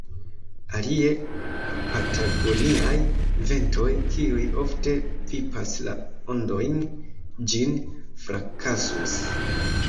Alie la patagoniaj ventoj, kiuj ofte vipas la ondojn, ĝin frakasus.